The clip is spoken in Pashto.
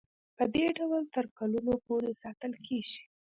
پدې ډول تر کلونو پورې ساتل کیږي.